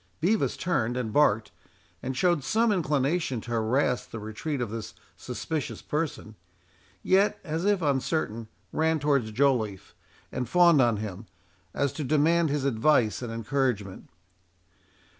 Bevis turned, and barked, and showed some inclination to harass the retreat of this suspicious person, yet, as if uncertain, ran towards Joliffe, and fawned on him, as to demand his advice and encouragement.